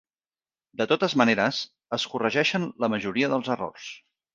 De totes maneres, es corregeixen la majoria dels errors.